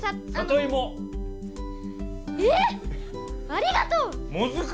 え⁉ありがとう！